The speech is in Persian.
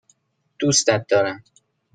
دوستت دارم.